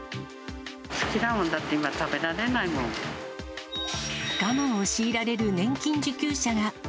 好きなものだって今、食べら我慢を強いられる年金受給者が。